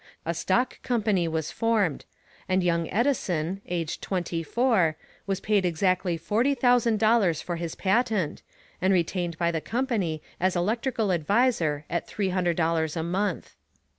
A stock company was formed, and young Edison, aged twenty four, was paid exactly forty thousand dollars for his patent, and retained by the Company as Electrical Adviser at three hundred dollars a month.